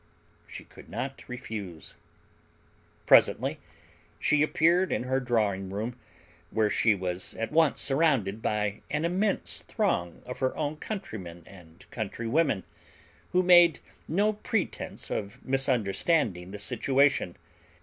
She could not refuse. Presently she appeared in her drawing room, where she was at once surrounded by an immense throng of her own countrymen and countrywomen, who made no pretense of misunderstanding the situation.